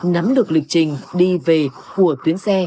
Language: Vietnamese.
nắm được lịch trình đi về của tuyến xe